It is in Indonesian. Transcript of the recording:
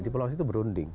diplomasi itu berunding